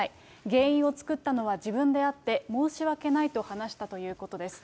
原因を作ったのは自分であって、申し訳ないと話したということです。